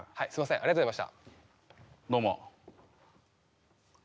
ありがとうございます。